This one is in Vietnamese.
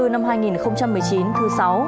năm hai nghìn một mươi chín thứ sáu